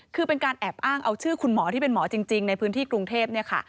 คือเป็นการแอบอ้างเอาชื่อคุณหมอที่เป็นหมอจริงในพื้นที่กรุงเทพเนี่ยค่ะ